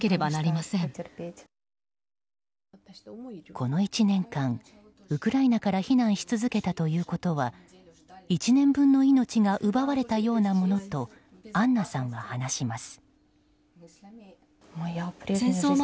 この１年間、ウクライナから避難し続けたということは１年分の命が奪われたようなものとアンナさんは話します。